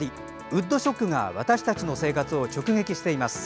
ウッドショックが私たちの生活を直撃しています。